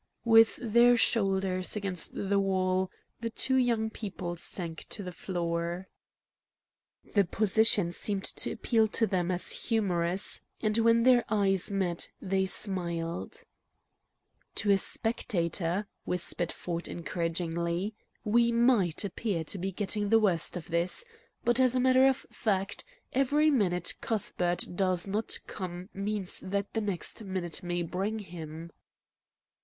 With their shoulders against the wall, the two young people sank to the floor. The position seemed to appeal to them as humorous, and, when their eyes met, they smiled. "To a spectator," whispered Ford encouragingly, "we MIGHT appear to be getting the worst of this. But, as a matter of fact, every minute Cuthbert does not come means that the next minute may bring him."